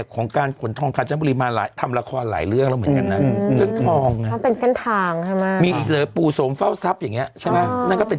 ก่อนนอนจะได้มีคนเด็ก